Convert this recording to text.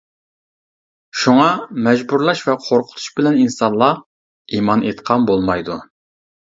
شۇڭا، مەجبۇرلاش ۋە قورقۇتۇش بىلەن ئىنسانلار ئىمان ئېيتقان بولمايدۇ.